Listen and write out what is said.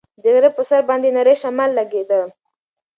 د غره په سر باندې نری شمال لګېده.